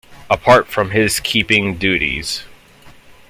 Apart from his keeping duties.